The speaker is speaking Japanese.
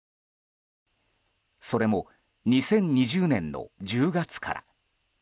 それも２０２０年の１０月から。